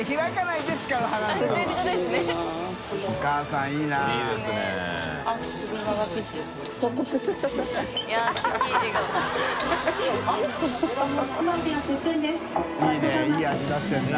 いいいい味出してるな。